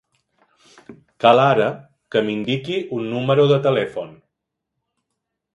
Cal ara que m'indiqui un número de telèfon.